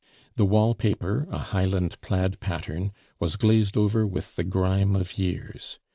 The wall paper, a Highland plaid pattern, was glazed over with the grime of years.